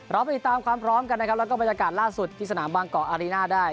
เราไปติดตามความพร้อมกันนะครับแล้วก็บรรยากาศล่าสุดที่สนามบางเกาะอารีน่าได้